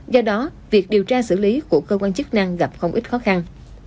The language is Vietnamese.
do đó việc điều tra xử lý của cơ quan chức năng gặp không ít khó khăn